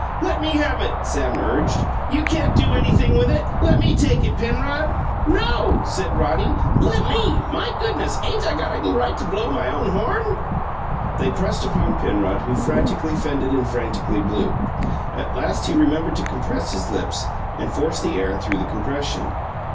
"Let me have it," Sam urged. "You can't do anything with it. Lemme take it, Penrod." "No!" said Roddy. "Let ME! My goodness! Ain't I got any right to blow my own horn?" They pressed upon Penrod, who frantically fended and frantically blew. At last he remembered to compress his lips, and force the air through the compression.